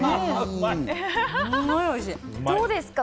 どうですか？